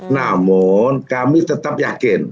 namun kami tetap yakin